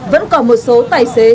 vẫn còn một số tài xế